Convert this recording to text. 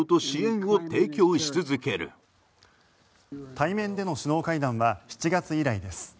対面での首脳会談は７月以来です。